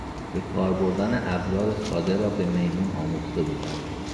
به کار بردن ابزار ساده را به میمون آموخته بودند.